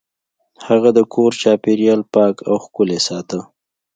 هغه د کور چاپیریال پاک او ښکلی ساته.